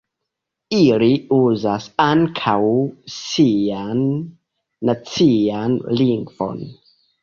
Ili uzas ankaŭ sian nacian lingvon.